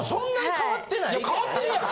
変わってるやろ！